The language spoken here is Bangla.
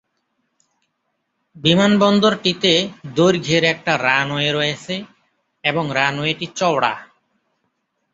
বিমানবন্দরটিতে দৈর্ঘ্যের একটি রানওয়ে রয়েছে এবং রানওয়েটি চওড়া।